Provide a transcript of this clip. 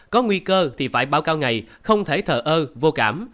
có nguy cơ thì phải báo cáo ngày không thể thở ơ vô cảm